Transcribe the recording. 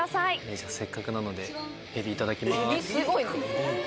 じゃあせっかくなのでエビいただきます。